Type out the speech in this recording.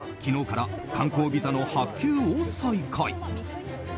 韓国政府は昨日から観光ビザの発給を再開。